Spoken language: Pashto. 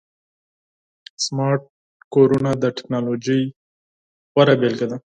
سمارټ کورونه د ټکنالوژۍ غوره بيلګه ده.